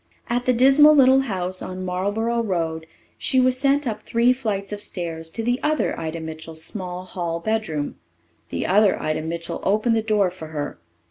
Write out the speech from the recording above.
At the dismal little house on Marlboro Road she was sent up three flights of stairs to the other Ida Mitchell's small hall bedroom. The other Ida Mitchell opened the door for her.